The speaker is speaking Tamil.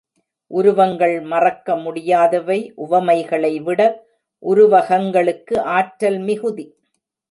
உருவகங்கள் மறக்க முடியாதவை உவமைகளைவிட உருவகங்களுக்கு ஆற்றல் மிகுதி.